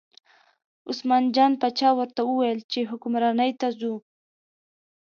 عثمان جان باچا ورته وویل چې حکمرانۍ ته ځو.